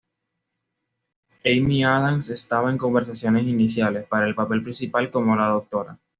Amy Adams estaba "en conversaciones iniciales" para el papel principal como la Dra.